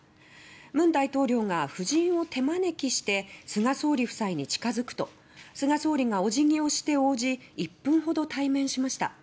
文大統領が夫人を手招きして菅総理夫妻に近づくと菅総理がお辞儀をして応じ１分ほど対面しました。